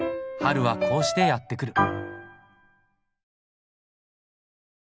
春はこうしてやって来る。